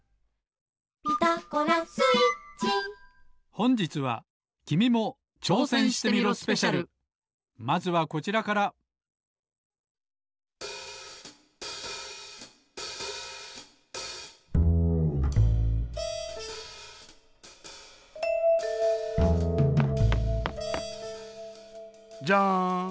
ほんじつはまずはこちらからジャン。